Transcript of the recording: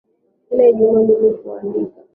Kila ijumaa mimi huandika.